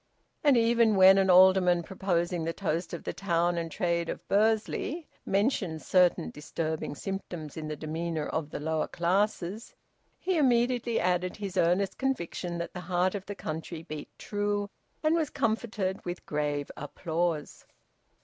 And even when an alderman, proposing the toast of the `town and trade of Bursley,' mentioned certain disturbing symptoms in the demeanour of the lower classes, he immediately added his earnest conviction that the `heart of the country beat true,' and was comforted with grave applause.